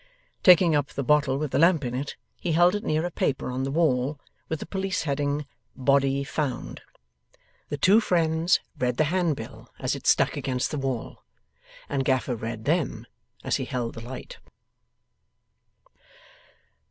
Taking up the bottle with the lamp in it, he held it near a paper on the wall, with the police heading, BODY FOUND. The two friends read the handbill as it stuck against the wall, and Gaffer read them as he held the light.